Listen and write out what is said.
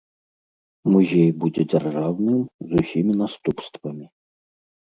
Музей будзе дзяржаўным з усімі наступствамі.